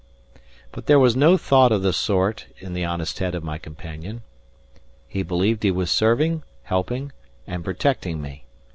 But there was no thought of the sort in the honest head of my companion. He believed he was serving, helping, and protecting me.